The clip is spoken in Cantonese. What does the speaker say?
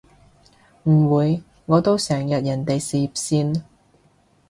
唔會，我都成日人哋事業線